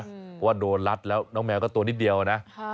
เพราะว่าโดนรัดแล้วน้องแมวก็ตัวนิดเดียวนะ